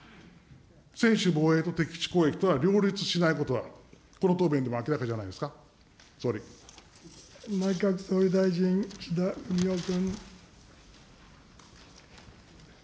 専守防衛と敵基地攻撃とは両立しないことが、この答弁でも明らか内閣総理大臣、岸田文雄君。